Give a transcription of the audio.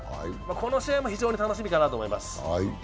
この試合も非常に楽しみかなと思います。